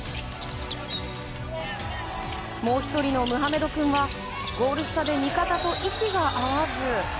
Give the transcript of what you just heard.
もう１人のムハメド君はゴール下で味方と息が合わず。